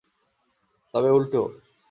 তবে, উল্টো।